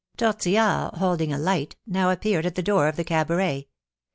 Tortillard, holding a light, now appeared at the door of the cabaret.